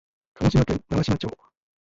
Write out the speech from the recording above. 鹿児島県長島町